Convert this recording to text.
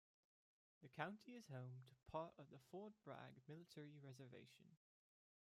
The county is home to part of the Fort Bragg military reservation.